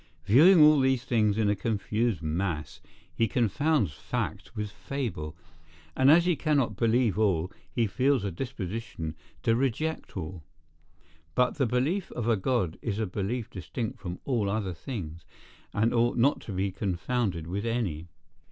Viewing all these things in a confused mass, he confounds fact with fable; and as he cannot believe all, he feels a disposition to reject all. But the belief of a God is a belief distinct from all other things, and ought not to be confounded with any.